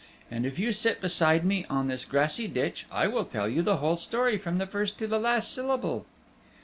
And if you sit beside me on this grassy ditch I will tell you the whole story from the first to the last syllable."